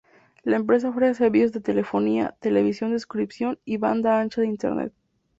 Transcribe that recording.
La empresa ofrece servicios de telefonía, Televisión de suscripción y banda ancha de Internet.